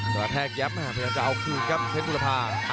แต่แพกยับมาพยายามจะเอาคืนครับเท้นบุรภาพ